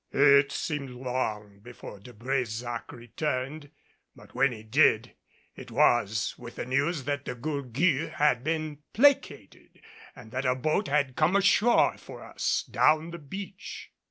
It seemed long before De Brésac returned. But when he did, it was with the news that De Gourgues had been placated and that a boat had come ashore for us, down the beach.